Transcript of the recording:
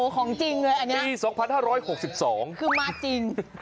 ของจริงเลยอันนี้คือมาจริงปี๒๕๖๒